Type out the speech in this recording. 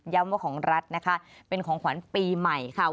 ว่าของรัฐนะคะเป็นของขวัญปีใหม่ค่ะ